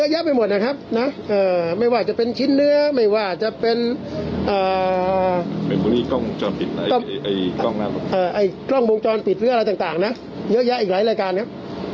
๑๙รายการนี้คืออะไรบ้างอ่ะคำเท้าระทิ